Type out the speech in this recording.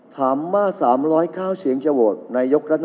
ถามมาสามร้อยเก้าเสียงเจาะในยกรรม